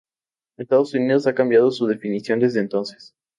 Estados Unidos ha cambiado su definición desde entonces.